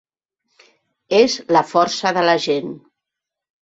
És la força de la gent.